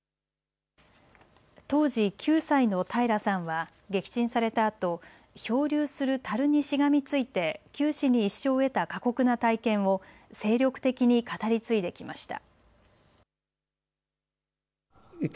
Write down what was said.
当時９歳の平良さんは撃沈されたあと漂流するたるにしがみついて九死に一生を得た過酷な体験を精力的に語り継いできました。